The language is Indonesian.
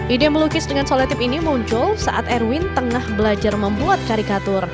ide melukis dengan soletip ini muncul saat erwin tengah belajar membuat karikatur